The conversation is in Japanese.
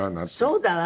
そうだわ。